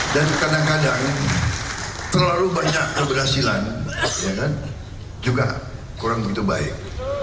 dan kadang kadang terlalu banyak keberhasilan juga kurang begitu baik